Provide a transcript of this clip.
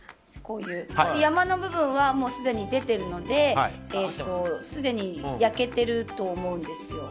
山の部分はすでに出ているのですでに焼けていると思うんですよ。